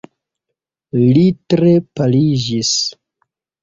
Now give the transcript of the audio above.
Li tre paliĝis.